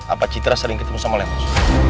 apa citra sering ketemu sama lemos